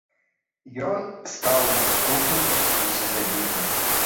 Ён стаў наступным у спісе забітых.